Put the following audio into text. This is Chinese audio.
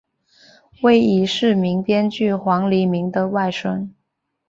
为已逝名编剧黄黎明的外甥。